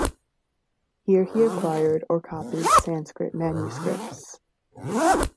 Here he acquired or copied Sanskrit manuscripts.